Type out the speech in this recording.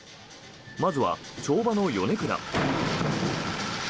まずは、跳馬の米倉。